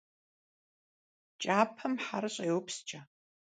Кӏапэм хьэр щӏеупскӏэ.